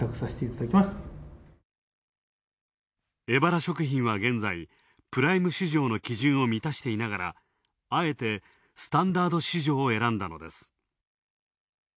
エバラ食品は現在、プライム市場を満たしていながら、あえてスタンダード市場を選んだのです。